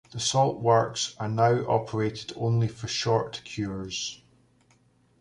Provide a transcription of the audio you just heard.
The salt works are now operated only for short cures.